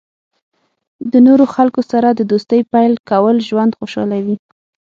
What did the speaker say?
د نوو خلکو سره د دوستۍ پیل کول ژوند خوشحالوي.